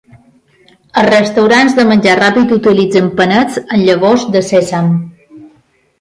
Els restaurants de menjar ràpid utilitzen panets amb llavors de sèsam.